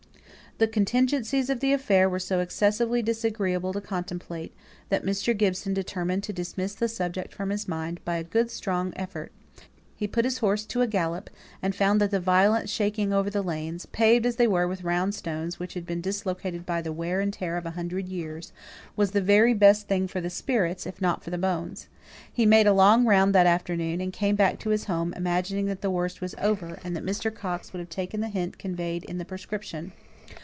The contingencies of the affair were so excessively disagreeable to contemplate, that Mr. Gibson determined to dismiss the subject from his mind by a good strong effort. He put his horse to a gallop, and found that the violent shaking over the lanes paved as they were with round stones, which had been dislocated by the wear and tear of a hundred years was the very best thing for the spirits, if not for the bones. He made a long round that afternoon, and came back to his home imagining that the worst was over, and that Mr. Coxe would have taken the hint conveyed in the prescription.